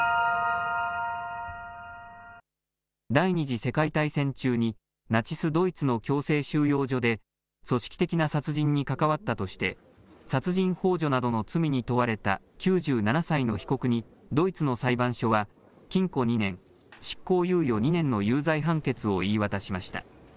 第２次世界大戦中にナチス・ドイツの強制収容所で組織的な殺人に関わったとして殺人ほう助などの罪に問われた９７歳の被告にドイツの裁判所は禁錮２年、執行猶予２年の有罪判決を言い渡しました。